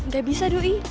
gak bisa dui